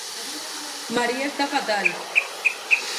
María está fatal!